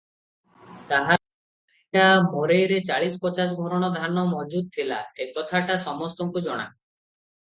ତାହାର ଚାରିଟା ମରେଇରେ ଚାଳିଶ ପଚାଶ ଭରଣ ଧାନ ମଜୁଦ ଥିଲା, ଏ କାଥାଟା ସମସ୍ତଙ୍କୁ ଜଣା ।